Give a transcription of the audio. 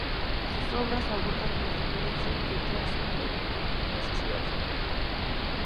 Sus obras abordan las diferencias de clase y la hipocresía de la sociedad general.